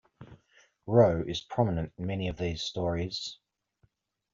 Roe is prominent in many of these stories.